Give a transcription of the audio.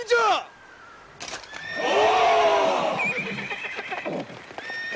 お！